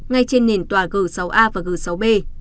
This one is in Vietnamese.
ngay trên nền tòa g sáu a và g sáu b